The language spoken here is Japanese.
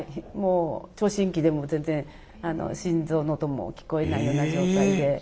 もう聴診器でも全然心臓の音も聞こえないような状態で。